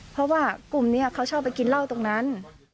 เพราะว่ากลุ่มนี้เขาชอบไปกินเหล้าตรงนั้น